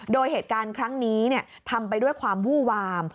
โดยเหตุการณ์ครั้งนี้ทำไปด้วยความวู้วาม